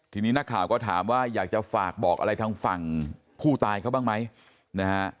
ทีนี้นักข่าวก็ถามว่าอยากจะฝากบอกอะไรทางฝั่งผู้ตายเขาบ้างไหมนะฮะ